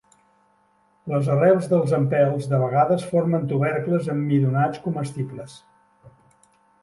Les arrels dels empelts de vegades formen tubercles emmidonats comestibles.